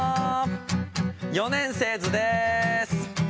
四年生ズです」